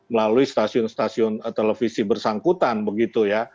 melalui stasiun stasiun televisi bersangkutan begitu ya